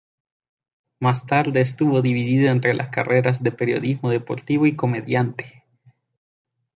Más tarde estuvo dividido entre las carreras de periodismo deportivo y comediante.